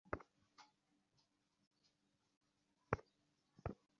ওর মতো অমন ছেলে পাব কোথায়।